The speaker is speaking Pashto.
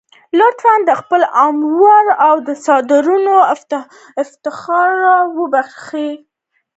لطفا د خپلو اوامرو د صادرولو افتخار را وبخښئ.